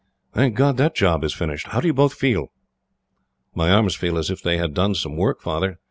"Thank God that job is finished! How do you both feel?" "My arms feel as if they had done some work, Father.